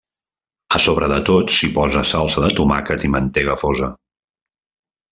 A sobre de tots s'hi posa salsa de tomàquet i mantega fosa.